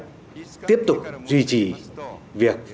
và tiếp tục duy trì việc